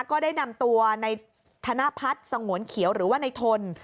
ก็ได้นำตัวในธนพัฒน์สงวนเขียวหรือว่าในทน